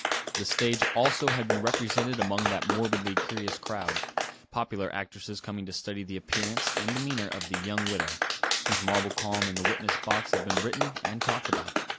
The stage, also, had been represented among that morbidly curious crowd; popular actresses coming to study the appearance and demeanour of the young widow, whose marble calm in the witness box had been written and talked about.